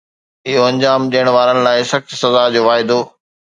اهو انجام ڏيڻ وارن لاءِ سخت سزا جو واعدو